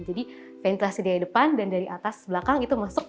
jadi ventilasi dari depan dan dari atas belakang itu masuk